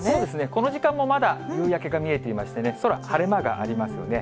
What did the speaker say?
この時間もまだ夕焼けが見えていましてね、空、晴れ間がありますよね。